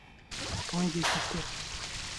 ڕەنگێکی تر